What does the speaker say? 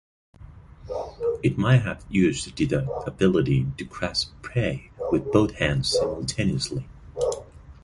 It may have used that ability to grasp prey with both hands simultaneously.